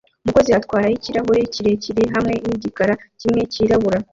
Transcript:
Umukozi atwara yikirahure kirekire hamwe nigikara kimwe cyirabura